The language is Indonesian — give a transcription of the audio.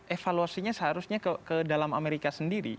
evaluasinya seharusnya ke dalam amerika sendiri